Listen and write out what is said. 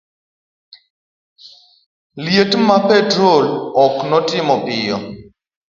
liet mar petrol ok notimo piyo